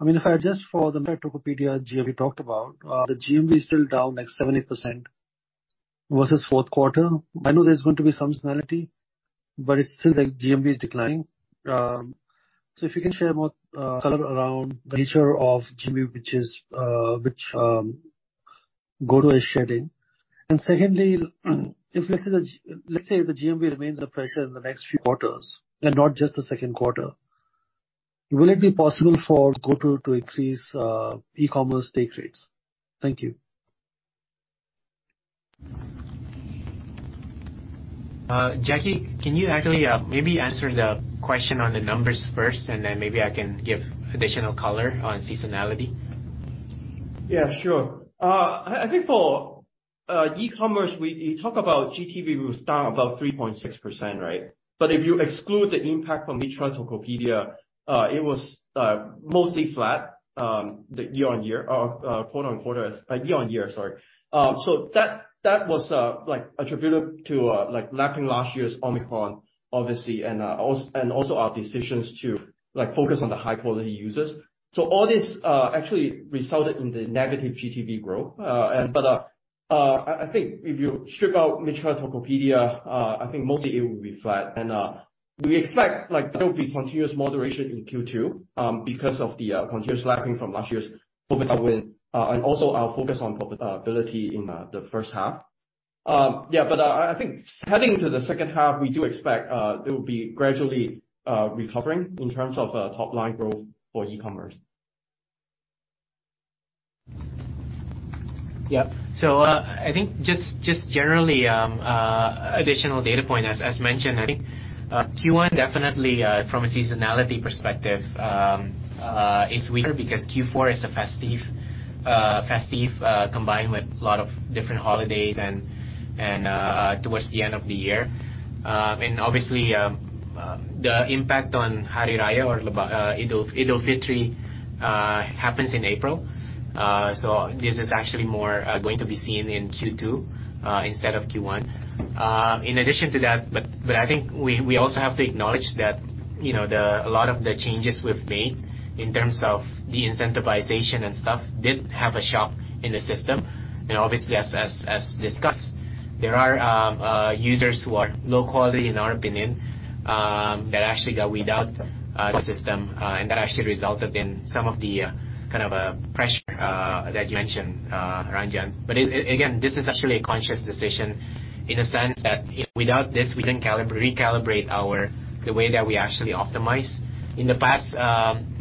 I mean, if I adjust for the Tokopedia GMV we talked about, the GMV is still down like 70% versus Q4. I know there's going to be some seasonality, but it's still like GMV is declining. If you can share more color around the nature of GMV, which is which GoTo is shedding. Secondly, if let's say the GMV remains under pressure in the next few quarters, and not just the second quarter, will it be possible for GoTo to increase e-commerce take rates? Thank you. Jacky, can you actually, maybe answer the question on the numbers first, and then maybe I can give additional color on seasonality. Yeah, sure. I think for e-commerce, we, you talk about GTV was down about 3.6%, right? If you exclude the impact from Midtrans Tokopedia, it was mostly flat, the year on year, quarter on quarter. Year on year, sorry. That was like attributable to like lapping last year's Omicron obviously, and also our decisions to like focus on the high quality users. All this actually resulted in the negative GTV growth. I think if you strip out Midtrans Tokopedia, I think mostly it will be flat. We expect like there will be continuous moderation in Q2 because of the continuous lapping from last year's COVID wave. Also our focus on profitability in the first half. I think heading to the second half, we do expect there will be gradually recovering in terms of top-line growth for e-commerce. I think just generally, additional data point as mentioned, I think Q1 definitely from a seasonality perspective is weaker because Q4 is a festive combined with a lot of different holidays and towards the end of the year. Obviously, the impact on Hari Raya or Idul Fitri happens in April. This is actually more going to be seen in Q2 instead of Q1. In addition to that, I think we also have to acknowledge that, you know, a lot of the changes we've made in terms of de-incentivization and stuff did have a shock in the system. You know, obviously, as discussed, there are users who are low quality in our opinion, that actually got weed out the system. That actually resulted in some of the kind of a pressure that you mentioned, Ranjan. Again, this is actually a conscious decision in a sense that, you know, without this we didn't recalibrate our the way that we actually optimize. In the past,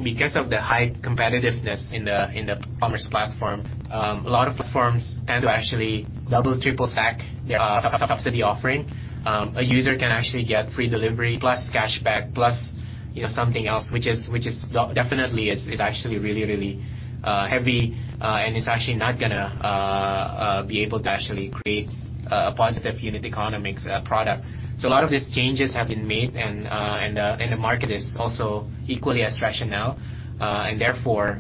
because of the high competitiveness in the commerce platform, a lot of platforms tend to actually double, triple stack their subsidy offering. A user can actually get free delivery plus cashback, plus, you know, something else, which is definitely is actually really, really heavy. It's actually not gonna be able to actually create a positive unit economics product. A lot of these changes have been made and the market is also equally as rational. Therefore,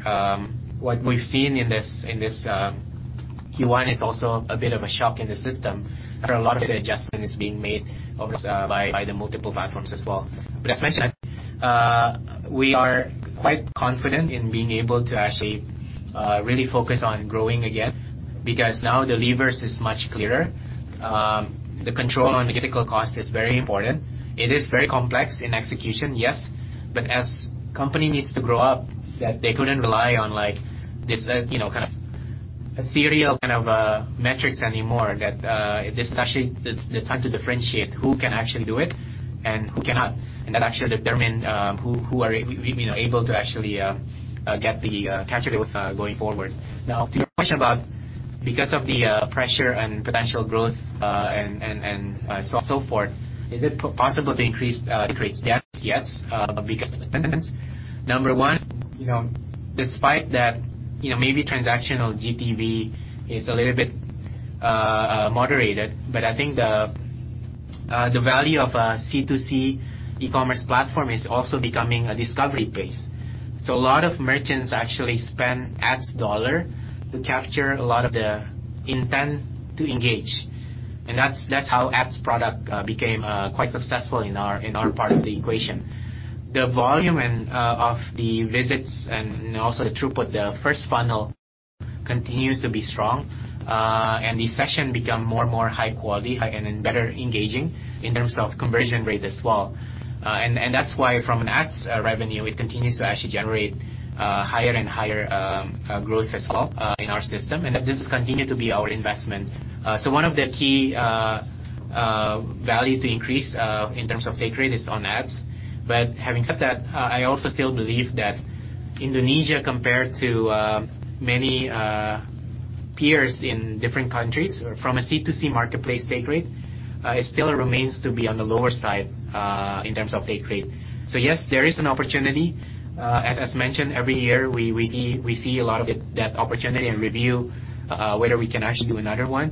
what we've seen in this, in this Q1 is also a bit of a shock in the system. There are a lot of the adjustments being made obviously by the multiple platforms as well. As mentioned, we are quite confident in being able to actually really focus on growing again because now the levers is much clearer. The control on the critical cost is very important. It is very complex in execution, yes. As company needs to grow up that they couldn't rely on like this, you know, kind of ethereal kind of metrics anymore that this is actually the time to differentiate who can actually do it and who cannot. That actually determine who are able to actually get the capture growth going forward. To your question about because of the pressure and potential growth and so forth, is it possible to increase the take rates? Yes, because of the reasons. Number one, you know, despite that, you know, maybe transactional GTV is a little bit moderated, but I think the value of C2C e-commerce platform is also becoming a discovery base. A lot of merchants actually spend ads dollar to capture a lot of the intent to engage. That's, that's how ads product became quite successful in our part of the equation. The volume of the visits and also the throughput, the first funnel continues to be strong. The session become more and more high quality and then better engaging in terms of conversion rate as well. That's why from an ads revenue, it continues to actually generate higher and higher growth as well in our system. That this continue to be our investment. One of the key values to increase in terms of take rate is on ads. Having said that, I also still believe that Indonesia compared to many peers in different countries or from a C2C marketplace take rate, it still remains to be on the lower side, in terms of take rate. Yes, there is an opportunity. As, as mentioned, every year we see a lot of it, that opportunity and review, whether we can actually do another one.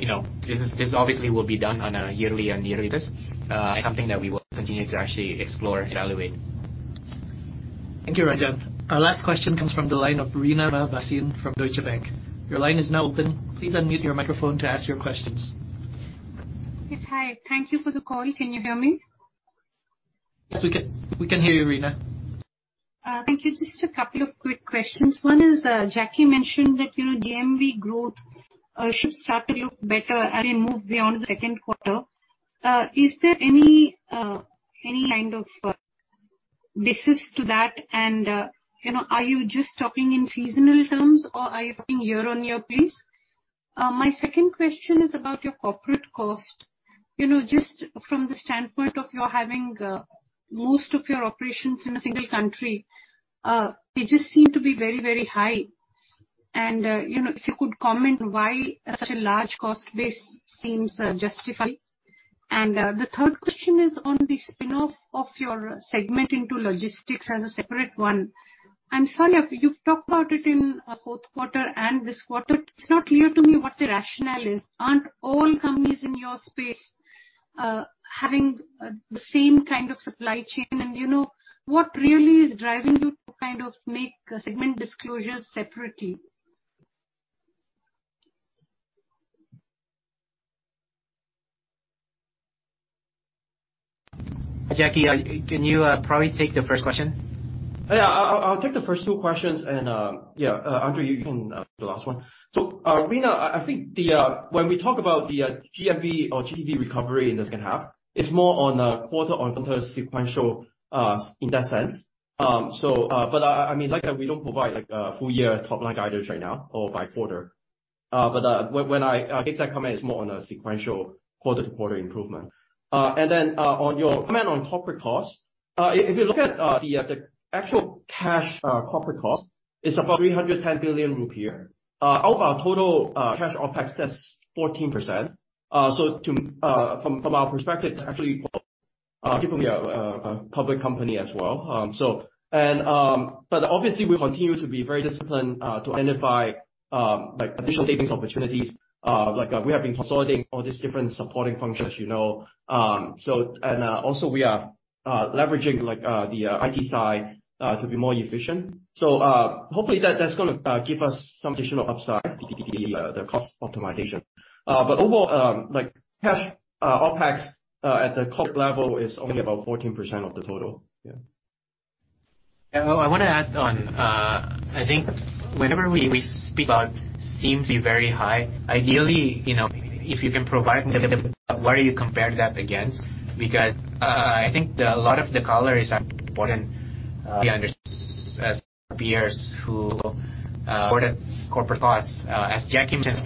You know, this is, this obviously will be done on a yearly and year basis. Something that we will continue to actually explore and evaluate. Thank you, Ranjan. Our last question comes from the line of Reena Bhasin from Deutsche Bank. Your line is now open. Please unmute your microphone to ask your questions. Yes. Hi. Thank you for the call. Can you hear me? Yes, we can. We can hear you, Reena. Thank you. Just a couple of quick questions. One is, Jacky mentioned that, you know, GMV growth should start to look better as we move beyond the second quarter. Is there any kind of basis to that? You know, are you just talking in seasonal terms or are you talking year-on-year please? My second question is about your corporate cost. You know, just from the standpoint of you having most of your operations in a single country, they just seem to be very high. You know, if you could comment why such a large cost base seems justified. The third question is on the spin-off of your segment into logistics as a separate one. I'm sorry, you've talked about it in Q4 and this quarter. It's not clear to me what the rationale is. Aren't all companies in your space having the same kind of supply chain? You know, what really is driving you to kind of make segment disclosures separately? Jacky, can you probably take the first question? Yeah, I'll take the first two questions and, yeah, Andre, you can have the last one. Rina, I think when we talk about the GMV or GDV recovery in the second half, it's more on a QoQ sequential in that sense. But, I mean, like I said, we don't provide like a full year top line guidance right now or by quarter. But when I guess that comment is more on a sequential quarter-to-quarter improvement. And then on your comment on corporate costs, if you look at the actual cash corporate cost is about 310 billion rupiah. Of our total cash OpEx, that's 14%. From our perspective, it's actually given we are a public company as well. Obviously we continue to be very disciplined to identify like additional savings opportunities. Like we have been consolidating all these different supporting functions, you know. Also we are leveraging like the IT side to be more efficient. Hopefully that's gonna give us some additional upside, the cost optimization. Overall, like cash OpEx at the corporate level is only about 14% of the total. Yeah. Yeah. I wanna add on. I think whenever we speak about seems to be very high. Ideally, you know, if you can provide what do you compare that against? I think a lot of the color is important to understand our peers who for the corporate costs, as Jack mentioned.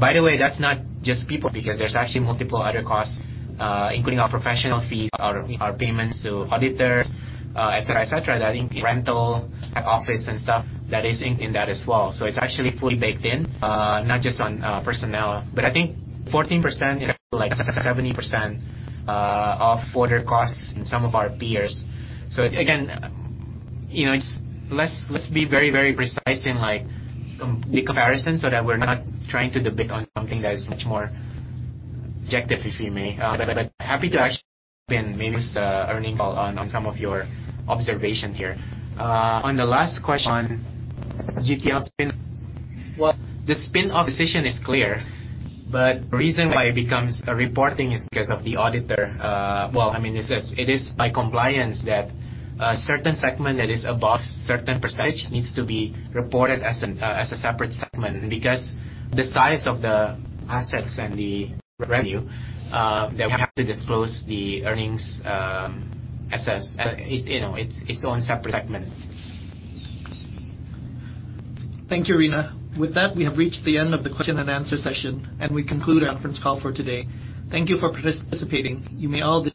By the way, that's not just people, because there's actually multiple other costs, including our professional fees, our payments to auditors, et cetera, et cetera. I think rental, like office and stuff that is inc in that as well. It's actually fully baked in, not just on personnel. I think 14% is like 70% of corporate costs in some of our peers. Again, you know, it's let's be very, very precise in like the comparison so that we're not trying to debate on something that is much more objective, if you may. But happy to actually pin maybe this earnings call on some of your observation here. On the last question on GTL spin. Well, the spin-off decision is clear, but the reason why it becomes a reporting is 'cause of the auditor. Well, I mean, it's, it is by compliance that a certain segment that is above a certain percentage needs to be reported as a separate segment. Because the size of the assets and the revenue that we have to disclose the earnings, as a, you know, its own separate segment. Thank you, Rina. With that, we have reached the end of the question and answer session, and we conclude our conference call for today. Thank you for participating. You may all.